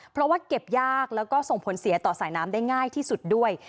เพราะว่าเก็บยากแล้วก็ส่งผลเสียต่อสายน้ำได้ง่ายที่สุดด้วย